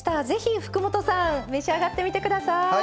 是非福本さん召し上がってみてください。